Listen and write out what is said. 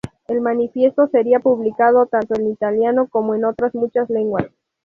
El Manifiesto sería publicado tanto en italiano como en otras muchas lenguas.